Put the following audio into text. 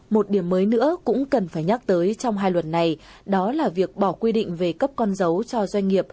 một điểm mới nữa cũng cần phải nhắc tới trong hai luật này đó là việc bỏ quy định về cấp con dấu